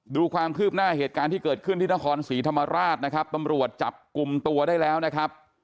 ดูความคืบหน้าเหตุการณ์ที่เกิดขึ้นที่นครศรีธรรมราชนะครับตำรวจจับกลุ่มตัวได้แล้วนะครับ